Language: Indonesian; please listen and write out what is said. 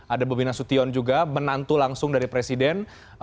ada bobina sution juga menantu langsung dari presiden